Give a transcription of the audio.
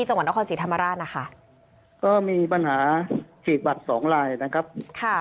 จังหวัดนครศรีธรรมราชนะคะก็มีปัญหาฉีดบัตรสองลายนะครับค่ะ